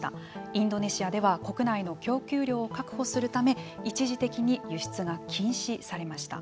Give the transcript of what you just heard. インドネシアでは国内の供給量を確保するため一時的に輸出が禁止されました。